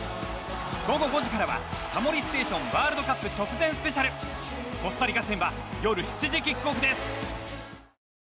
午後５時からは「タモリステーション」ワールドカップ直前スペシャルコスタリカ戦は夜７時キックオフです。